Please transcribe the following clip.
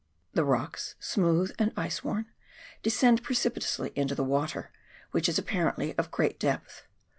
The rocks, smooth and ice worn, descend precipitously into the water, which is apparently of great depth.